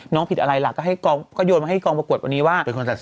น้องผิดอะไรล่ะก็โยนมาให้กองปรากวดวันนี้ว่า